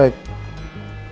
terima kasih pak